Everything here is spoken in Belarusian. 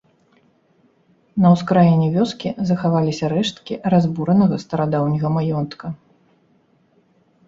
На ўскраіне вёскі захаваліся рэшткі разбуранага старадаўняга маёнтка.